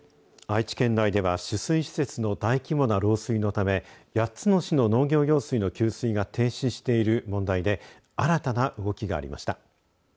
愛知県内では取水施設の大規模な漏水のため８つの市の農業用水の給水が停止している問題で新たな動きがありました。